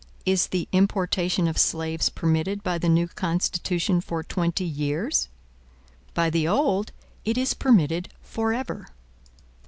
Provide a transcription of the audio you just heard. Is the importation of slaves permitted by the new Constitution for twenty years? By the old it is permitted forever.